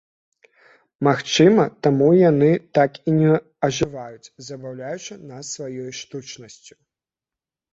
Магчыма, таму яны так і не ажываюць, забаўляючы нас сваёй штучнасцю.